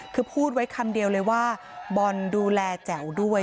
คือพูดไว้คำเดียวเลยว่าบอลดูแลแจ๋วด้วย